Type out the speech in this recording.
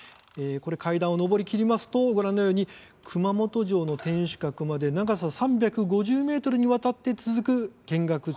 階段を上りきりますとご覧のように熊本城の天守閣まで長さ３５０ｍにわたって続く見学通路があります。